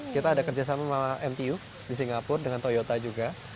kita ada kerjasama sama ntu di singapura dengan toyota juga